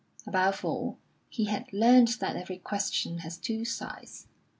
Above all, he had learnt that every question has two sides.